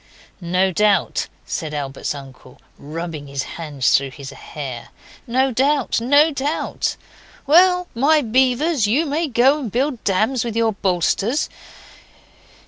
'No doubt,' said Albert's uncle, rubbing his hands through his hair. 'No doubt! no doubt! Well, my beavers, you may go and build dams with your bolsters.